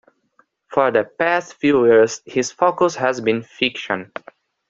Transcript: For the past few years, his focus has been fiction.